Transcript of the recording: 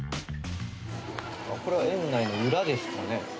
これ園内の裏ですかね。